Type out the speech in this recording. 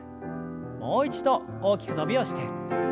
もう一度大きく伸びをして。